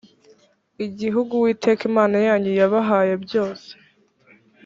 igihugu uwiteka imana yanyu yabahaye byose